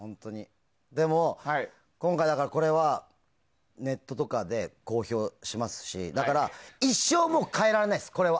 今回、これはネットとかで公表しますしだから一生もう変えられないです、これは。